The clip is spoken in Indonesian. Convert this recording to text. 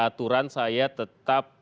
aturan saya tetap